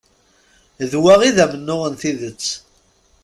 D wa i d amennuɣ n tidet.